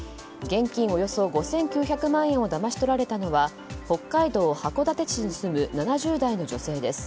現金およそ５９００万円をだまし取られたのは北海道函館市に住む７０代の女性です。